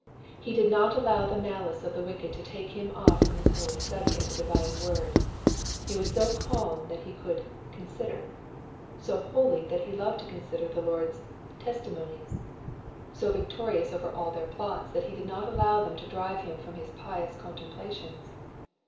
He did not allow the malice of the wicked to take him off from his holy study of the divine word. He was so calm that he could consider" ; so holy that he loved to consider the Lord's " testimonies" ; so victorious over all their plots that he did not allow them to drive him from his pious contemplations.